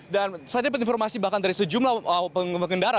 dan saya dapat informasi bahkan dari sejumlah pengendara